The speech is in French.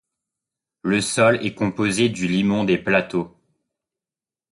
Le sol est composé du limon des plateaux.